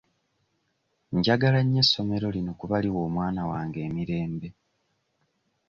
Njagala nnyo essomero lino kuba liwa omwana wange emirembe.